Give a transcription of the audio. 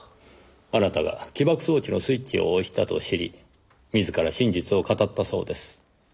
あなたが起爆装置のスイッチを押したと知り自ら真実を語ったそうです。